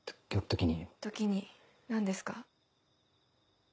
時に何ですか？